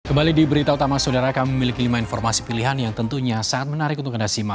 kembali di berita utama saudara kami memiliki lima informasi pilihan yang tentunya sangat menarik untuk anda simak